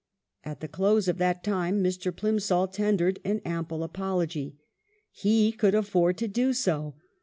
At the close of that time Mr. Plimsoll tendered an ample apology. He could afford to do so.